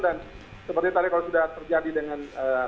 dan seperti tadi kalau sudah terjadi dengan